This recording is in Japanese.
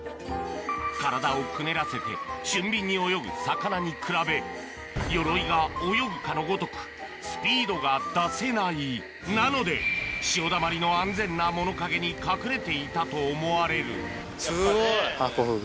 体をくねらせて俊敏に泳ぐ魚に比べヨロイが泳ぐかのごとくスピードが出せないなので潮だまりの安全な物陰に隠れていたと思われるハコフグ。